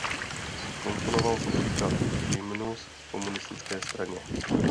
Zkomponoval kupříkladu "Hymnus komunistické straně".